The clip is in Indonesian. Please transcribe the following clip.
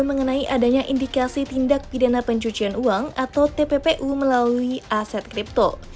mengenai adanya indikasi tindak pidana pencucian uang atau tppu melalui aset kripto